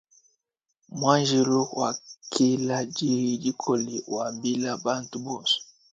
Muanjelo wakela diyi dikole wambila bantu bonso.